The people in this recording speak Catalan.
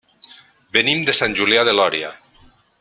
Venim de Sant Julià de Lòria.